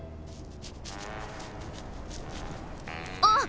あっ！